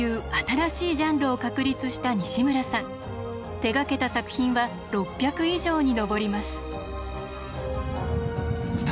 手がけた作品は６００以上に上ります。